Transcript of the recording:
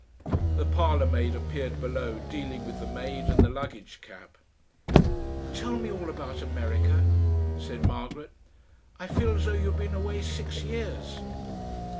The parlourmaid appeared below dealing with the maid and the luggage cab. "Tell me all about America," said Margaret. "I feel as though you'd been away six year's."